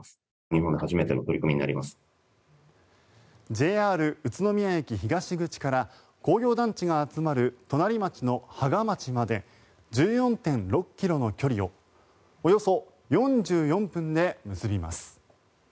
ＪＲ宇都宮駅東口から工業団地が集まる隣町の芳賀町まで１４．６ｋｍの距離をおよそ４４分で結びます。